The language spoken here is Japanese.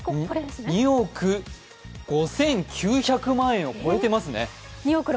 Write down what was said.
２億５９００万円を超えてますね。